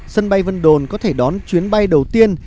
sân bay vân đồn có thể đón chuyến bay đầu tiên